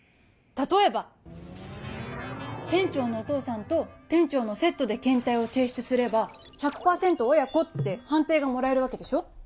例えば店長のお父さんと店長のセットで検体を提出すれば１００％親子って判定がもらえるわけでしょ？